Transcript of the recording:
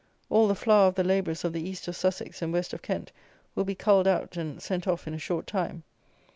All the flower of the labourers of the east of Sussex and west of Kent will be culled out and sent off in a short time.